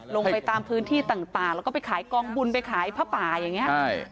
ลงไปตามพื้นที่ต่างแล้วก็ไปขายกองบุญไปขายผ้าป่าอย่างนี้ใช่